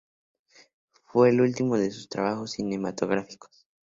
Fue el último de sus trabajos cinematográficos.